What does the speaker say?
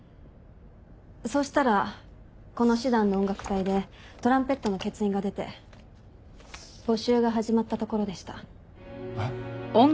そうしたらこの師団の音楽隊でトランペットの欠員が出て募集が始まったところでした。